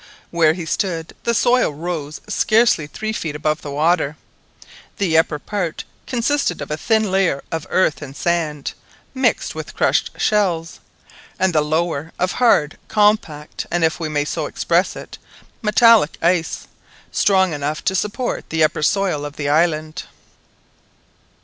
Where he stood the soil rose scarcely three feet above the water. The upper part consisted of a thin layer of earth and sand mixed with crushed shells; and the lower of hard, compact, and, if we may so express it, "metallic" ice, strong enough to support the upper soil of the island.